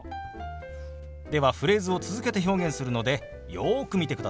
ではフレーズを続けて表現するのでよく見てくださいね。